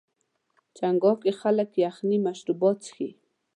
چنګاښ کې خلک یخني مشروبات څښي.